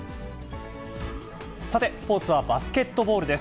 さて、スポーツはバスケットボールです。